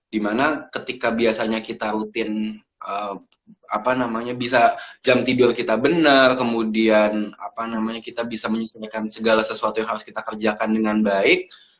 dimana ketika biasanya kita rutin bisa jam tidur kita benar kemudian kita bisa menyelesaikan segala sesuatu yang harus kita kerjakan dengan baik